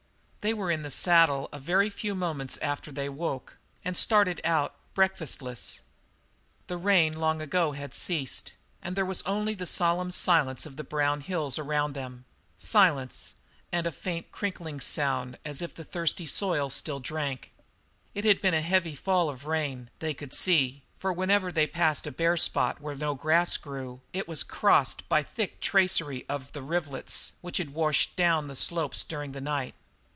They were in the saddle a very few moments after they awoke and started out, breakfastless. The rain long ago had ceased, and there was only the solemn silence of the brown hills around them silence, and a faint, crinkling sound as if the thirsty soil still drank. It had been a heavy fall of rain, they could see, for whenever they passed a bare spot where no grass grew, it was crossed by a thick tracery of the rivulets which had washed down the slopes during the night.